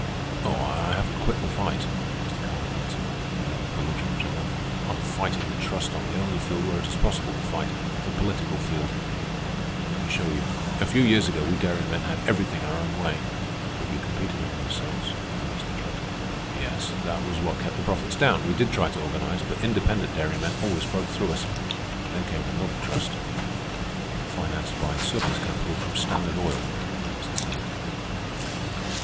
"Oh, I haven't quit the fight," Mr. Calvin answered, and he looked belligerent enough. "I'm fighting the Trust on the only field where it is possible to fight—the political field. Let me show you. A few years ago we dairymen had everything our own way." "But you competed among yourselves?" Ernest interrupted. "Yes, that was what kept the profits down. We did try to organize, but independent dairymen always broke through us. Then came the Milk Trust." "Financed by surplus capital from Standard Oil," Ernest said.